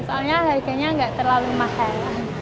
soalnya harganya nggak terlalu mahal